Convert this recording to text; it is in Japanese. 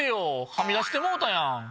はみ出してもうたやん！